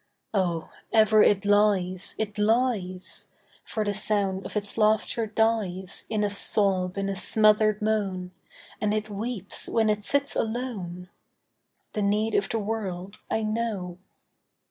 Oh! ever it lies—it lies, For the sound of its laughter dies In a sob and a smothered moan, And it weeps when it sits alone. The need of the world I know.